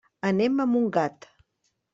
Anem a Montgat.